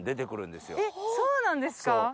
そうなんですか？